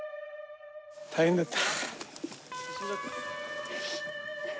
大変だった。